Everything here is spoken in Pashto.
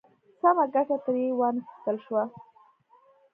سمه ګټه ترې وا نخیستل شوه.